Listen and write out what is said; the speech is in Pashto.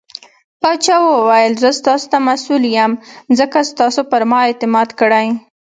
پاچا وويل :زه ستاسو ته مسوول يم ځکه تاسو پرما اعتماد کړٸ .